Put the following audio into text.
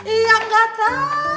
iya enggak tahu